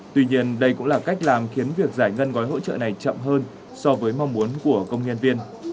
tuy nhiên đây cũng là cách làm khiến việc giải ngân gói hỗ trợ này chậm hơn so với mong muốn của công nhân viên